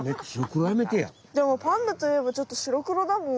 でもパンダといえばちょっと白黒だもん。